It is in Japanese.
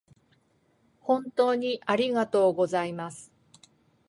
本当にありがとうございます